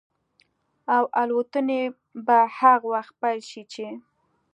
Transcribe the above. او الوتنې به هغه وخت پيل شي چې